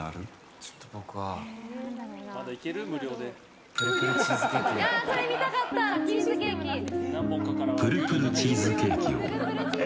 ちょっと僕はプルプルチーズケーキで。